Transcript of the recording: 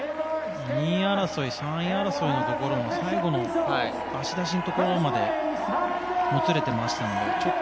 ２位争い、３位争いのところで最後の足だしのところまでもつれてましたので。